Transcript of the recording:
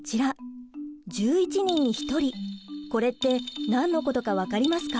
これって何のことか分かりますか？